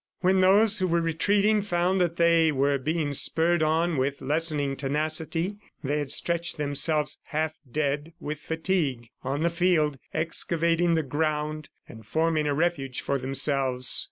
When those who were retreating found that they were being spurred on with lessening tenacity, they had stretched themselves, half dead with fatigue, on the field, excavating the ground and forming a refuge for themselves.